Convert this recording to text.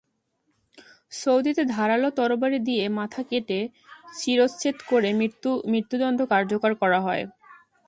সৌদিতে ধারালো তরবারি দিয়ে মাথা কেটে শিরশ্ছেদ করে মৃত্যুদণ্ড কার্যকর করা হয়।